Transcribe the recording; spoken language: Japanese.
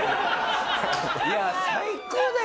いや最高だよ